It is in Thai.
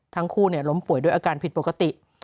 ทั้งคู่ล้มป่วยด้วยอาการผิดปกติ